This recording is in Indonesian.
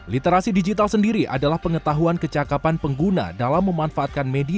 literasi digital sendiri adalah pengetahuan kecakapan pengguna dalam memanfaatkan media